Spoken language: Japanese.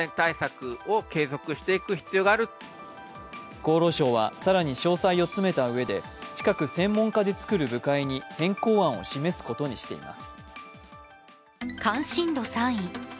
厚労省は更に詳細を詰めたうえで近く専門家で作る部会に変更案を示すことにしています。